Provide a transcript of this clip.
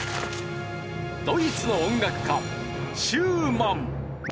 ドイツの音楽家シューマン。